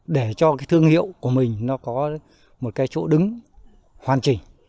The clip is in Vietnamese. để cho cái thương hiệu của mình nó có một cái chỗ đứng hoàn chỉnh